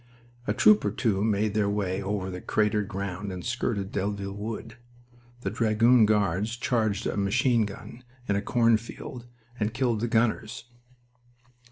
A troop or two made their way over the cratered ground and skirted Delville Wood; the Dragoon Guards charged a machine gun in a cornfield, and killed the gunners.